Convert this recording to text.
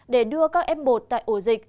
để đưa các f một tại ổ dịch